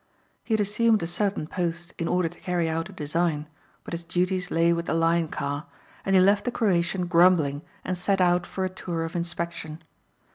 He had assumed a certain post in order to carry out a design but his duties lay with the Lion car and he left the Croatian grumbling and set out for a tour of inspection.